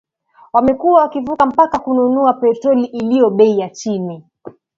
wamekuwa wakivuka mpaka kununua petroli iliyo bei ya chini